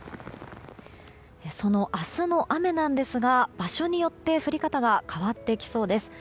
その明日の雨なんですが場所によって降り方が変わってきそうです。